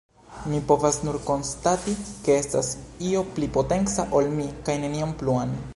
Mi povas nur konstati ke estas io pli potenca ol mi, kaj nenion pluan.